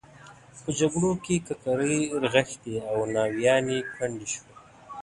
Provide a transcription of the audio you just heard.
په جګړو کې ککرۍ رغښتې او ناویانې کونډې شوې.